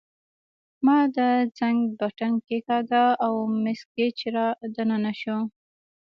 ما د زنګ بټن کښېکاږه او مس ګېج را دننه شوه.